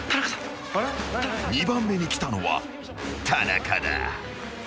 ［２番目に来たのは田中だ］